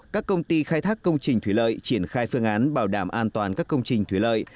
các công ty khai thác công trình thủy lợi triển khai phương án bảo đảm an toàn các công trình thủy lợi